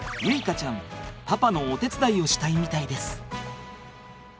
結花ちゃんパパのお手伝いをしたいみたいです。